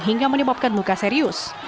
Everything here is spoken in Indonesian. hingga menyebabkan luka serius